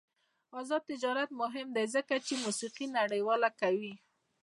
آزاد تجارت مهم دی ځکه چې موسیقي نړیواله کوي.